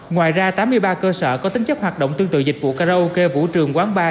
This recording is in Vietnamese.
ngoài ra tám mươi ba cơ sở có tính chất hoạt động tương tự dịch vụ karaoke vũ trường quán bar